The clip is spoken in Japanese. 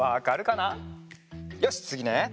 よしつぎね！